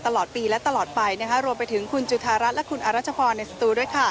ตลอดปีและตลอดไปรวมไปถึงคุณจุธารัฐและคุณอรัชพรในสตูด้วยค่ะ